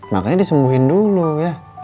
makanya disembuhin dulu ya